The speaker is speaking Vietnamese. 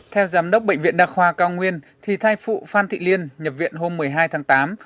theo giám đốc bệnh viện đa khoa cao nguyên thì thai phụ phan thị liên nhập viện hôm một mươi hai tháng tám